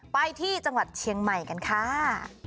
ไปที่จังหวัดเชียงใหม่กันค่ะ